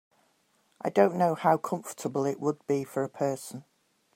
I don’t know how comfortable it would be for a person.